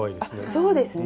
そうですね。